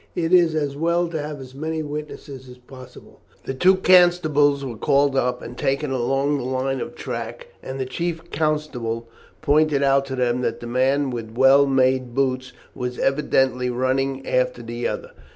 It is as well to have as many witnesses as possible." The two constables were called up and taken along the line of track, and the chief constable pointed out to them that the man with well made boots was evidently running after the other.